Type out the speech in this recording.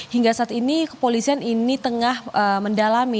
hingga saat ini kepolisian ini tengah mendalami